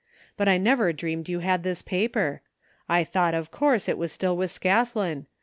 But I never dreamed you had this paper. I thought, of course, it was still with Scathlin.